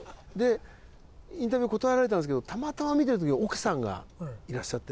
インタビュー断られたんですけどたまたま見てる時に奥さんがいらっしゃって。